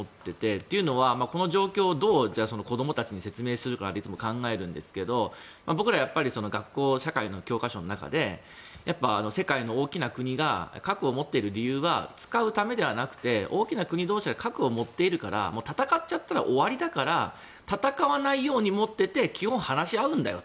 というのは、この状況をどう子どもたちに説明するかなっていつも考えるんですが僕ら、学校の社会の教科書の中で世界の大きな国が核を持っている理由は使うためではなくて大きな国同士が核を持っているから戦っちゃったら終わりだから戦わないように持ってて基本、話し合うんだよと。